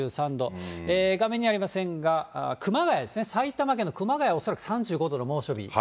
画面にはありませんが、熊谷ですね、埼玉県の熊谷は恐らく３５度の猛暑日。